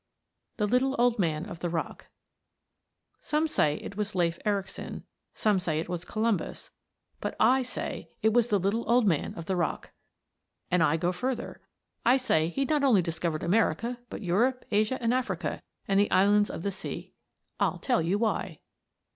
_ THE LITTLE OLD MAN OF THE ROCK Some say it was Leif Ericson, some say it was Columbus, but I say it was The Little Old Man of the Rock. And I go further. I say he not only discovered America but Europe, Asia, and Africa, and the islands of the sea. I'll tell you why.